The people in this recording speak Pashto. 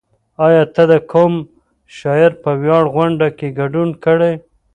ایا ته د کوم شاعر په ویاړ غونډه کې ګډون کړی؟